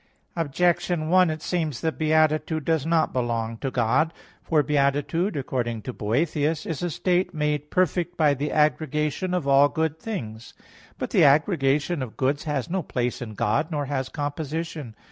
Objection 1: It seems that beatitude does not belong to God. For beatitude according to Boethius (De Consol. iv) "is a state made perfect by the aggregation of all good things." But the aggregation of goods has no place in God; nor has composition.